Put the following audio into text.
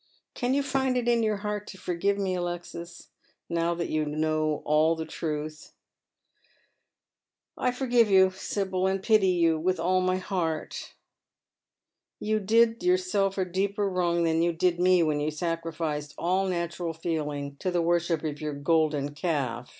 Can you find k m your heart to forgive me, Alexis, now that you know all the truth ?"*' I forgive you, Sibyl, and pity you with all my heart. Yot. did yoiu self a deeper wrong than you did me when you sacrificed all natural feeling to the worship of your golden calf.